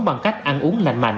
bằng cách ăn uống lành mạnh